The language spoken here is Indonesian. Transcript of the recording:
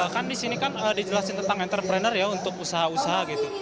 kan di sini kan dijelasin tentang entrepreneur ya untuk usaha usaha gitu